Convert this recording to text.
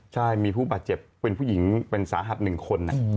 ใช่มีผู้บาดเจ็บเป็นผู้หญิงเป็นสาหัส๑คน